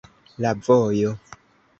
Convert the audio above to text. La vojo.